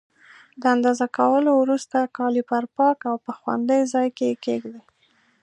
د اندازه کولو وروسته کالیپر پاک او په خوندي ځای کې کېږدئ.